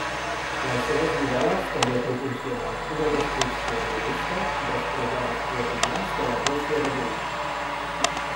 Les seves novel·les també proporcionen una descripció realista dels problemes quotidians de la Rússia d'avui.